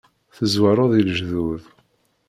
Tezwareḍ i lejdud.